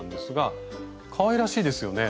かわいらしいですよね。